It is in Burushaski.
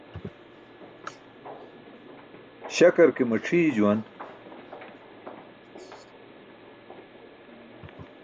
Śakar ke macʰii juwan.